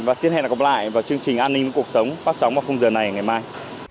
và xin hẹn gặp lại vào chương trình an ninh với cuộc sống phát sóng vào giờ này ngày mai